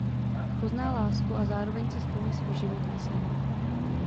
Pozná lásku a zároveň si splní svůj životní sen.